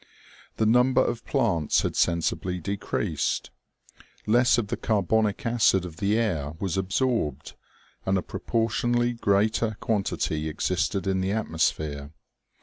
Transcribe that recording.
The number of plants had sensibly decreased. Less of the carbonic acid of the air was ab sorbed, and a proportionally greater quantity existed in the atmosphere.